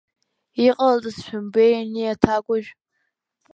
Иҟалҵаз шәымбеи ани аҭакәажә?!